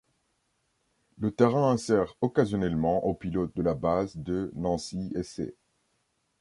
Le terrain sert occasionnellement aux pilotes de la base de Nancy-Essey.